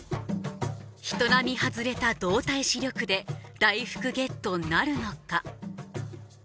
人並み外れた動体視力で大福ゲットなるのか？